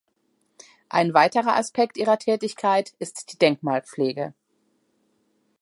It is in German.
Ein weiterer Aspekt ihrer Tätigkeit ist die Denkmalpflege.